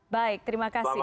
baik terima kasih